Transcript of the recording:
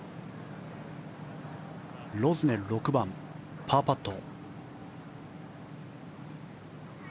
ロズネル、６番パーパット。